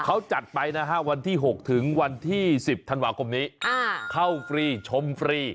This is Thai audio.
เขาจัดไปนะครับวันที่๖๑๐ธันวาคมนี้เข้าฟรีชมฟรี